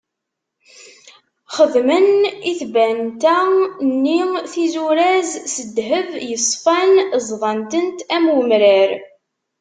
Xedmen i tbanta-nni tizuraz s ddheb yeṣfan, ẓḍan-tent am wemrar.